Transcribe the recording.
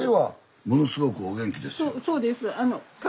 そうです。